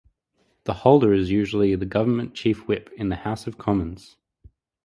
The holder is usually the Government Chief Whip in the House of Commons.